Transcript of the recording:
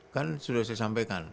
kan sudah saya sampaikan